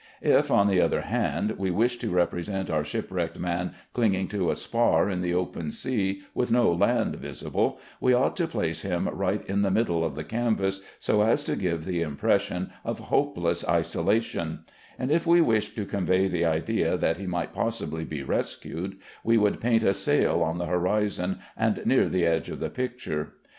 If, on the other hand, we wished to represent our shipwrecked man clinging to a spar in the open sea, with no land visible, we ought to place him right in the middle of the canvas, so as to give the impression of hopeless isolation; and if we wished to convey the idea that he might possibly be rescued, we would paint a sail on the horizon, and near the edge of the picture.